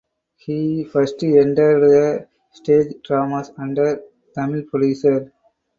He first entered stage dramas under Tamil producer.